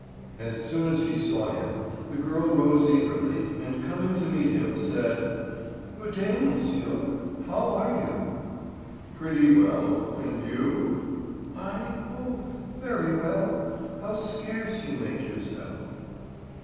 As soon as she saw him the girl rose eagerly, and coming to meet him, said: "Good day, monsieur—how are you?" "Pretty well; and you?" "I—oh, very well. How scarce you make yourself!"